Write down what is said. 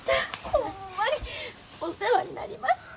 ホンマにお世話になりました。